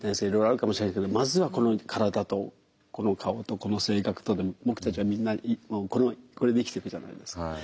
いろいろあるかもしれないけどまずはこの体とこの顔とこの性格とで僕たちはみんなこれで生きていくじゃないですか。